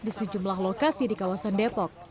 di sejumlah lokasi di kawasan depok